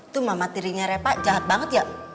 tuh mami teringat reva jahat banget ya